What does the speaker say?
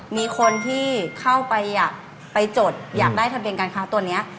มีคนที่เข้าไปอยากไปจดอยากได้ทะเบียนการค้าตัวนี้